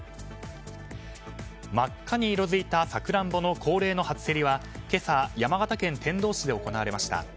真っ赤に色づいたサクランボの恒例の初競りは今朝、山形県天童市で行われました。